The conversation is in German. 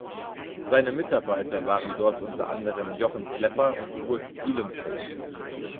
Seine Mitarbeiter waren dort unter anderem Jochen Klepper und Kurt Ihlenfeld.